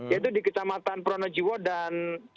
yaitu di kecamatan pronojiwo dan